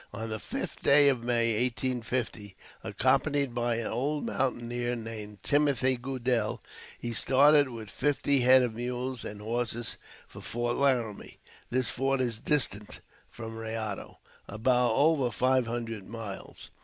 On the fifth day of May, 1850, accompanied by an old mountaineer named Timothy Goodel, he started with fifty head of mules and horses for Fort Laramie. This fort is distant from Rayado, over five hundred miles.